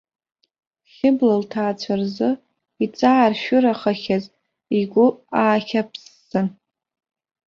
Хьыбла лҭаацәа рзы иҵааршәырахахьаз игәы аахьаԥссан.